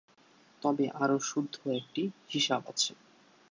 তবে আরও শুদ্ধ একটি হিসাব আছে।